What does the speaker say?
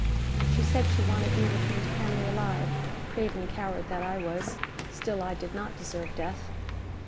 She said she wanted me returned to Hanley alive; craven coward that I was, still I did not deserve death.